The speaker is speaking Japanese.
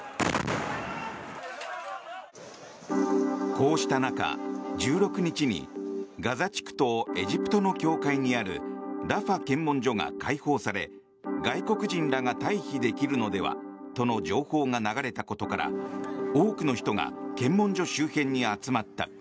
こうした中、１６日にガザ地区とエジプトの境界にあるラファ検問所が開放され外国人らが退避できるのではとの情報が流れたことから多くの人が検問所周辺に集まった。